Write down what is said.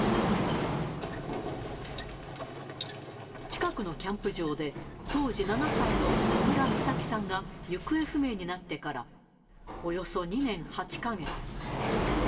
近くのキャンプ場で、当時７歳の小倉美咲さんが行方不明になってから、およそ２年８か月。